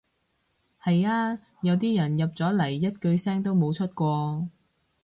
係呀，有啲人入咗嚟一句聲都冇出過